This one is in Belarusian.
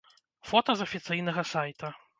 Фота з афіцыйнага сайта.